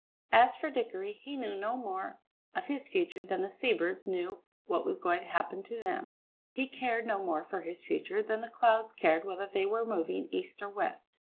As for Dickory, he knew no more of his future than the sea birds knew what was going to happen to them; he cared no more for his future than the clouds cared whether they were moving east or west.